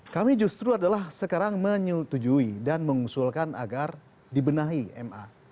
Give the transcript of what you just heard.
kami justru adalah sekarang menyetujui dan mengusulkan agar dibenahi ma